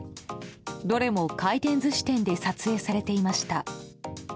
どれも回転寿司店で撮影されていました。